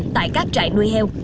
tại các trại nuôi heo